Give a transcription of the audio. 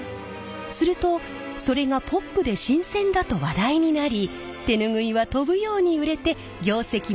するとそれがポップで新鮮だと話題になり手ぬぐいは飛ぶように売れて業績も右肩上がり！